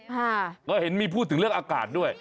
ก็เห็นมีพูดถึงเรื่องอากาศด้วย